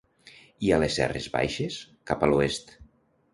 Hi ha les serres baixes cap a l'oest.